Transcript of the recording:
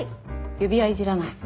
指輪いじらない。